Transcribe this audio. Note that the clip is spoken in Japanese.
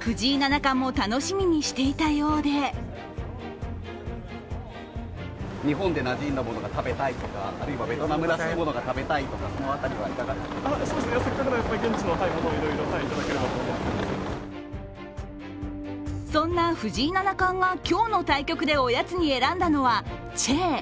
藤井七冠も楽しみにしていたようでそんな、藤井七冠が今日の対局でおやつに選んだのはチェー。